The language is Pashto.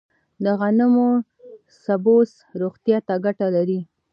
د غنمو سبوس روغتیا ته ګټه لري.